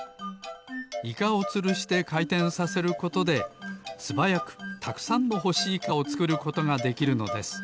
イカをつるしてかいてんさせることですばやくたくさんのほしイカをつくることができるのです。